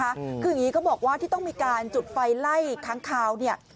คืออย่างนี้เขาบอกว่าที่ต้องมีการจุดไฟไล่ค้างคาวเนี่ย